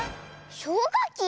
しょうかき？